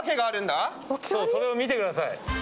それを見てください。